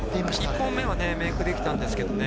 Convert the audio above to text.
１本目はメイクできてたんですけどね。